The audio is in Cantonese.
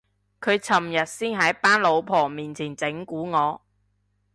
佢尋日先喺班老婆面前整蠱我